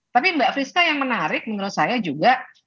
tapi mbak friska yang menarik menurut saya juga